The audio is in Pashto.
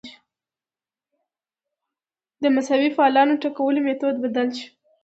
د مذهبي فعالانو ټکولو میتود بدل شو